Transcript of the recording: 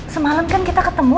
semalam kan kita ketemu